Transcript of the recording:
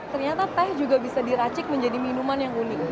ternyata teh juga bisa diracik menjadi minuman yang unik